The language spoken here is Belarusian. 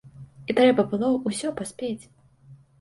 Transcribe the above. І трэба было ўсё паспець.